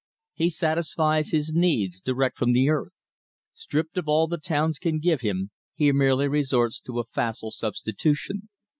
He satisfies his needs direct from the earth. Stripped of all the towns can give him, he merely resorts to a facile substitution.